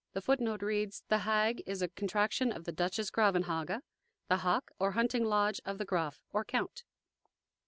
(1) (1) "The Hague" is a contraction of the Dutch's Gravenhage the haag, or "hunting lodge," of the Graf, or count.